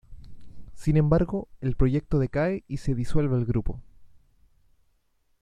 Sin embargo, el proyecto decae y se disuelve el grupo.